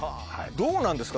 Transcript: どうなんですか？